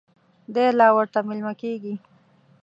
دی لا ورته مېلمه کېږي.